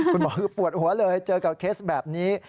คุณหมอคือปวดหัวเลยเจอกับเคสแบบนี้